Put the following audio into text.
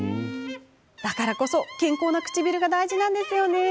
だからこそ健康な唇が大事なんですよね？